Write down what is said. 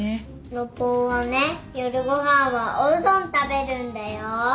信男はね夜ご飯はおうどん食べるんだよ。